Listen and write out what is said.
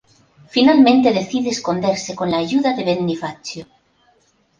Finalmente decide esconderse con la ayuda de Benny Fazio.